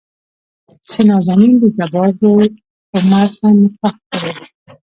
چې نازنين دجبار زوى عمر ته نکاح کړي.